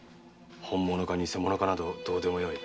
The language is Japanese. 本物か偽物かなどどうでもよい。